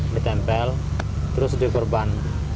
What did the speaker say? ditempel terus diperban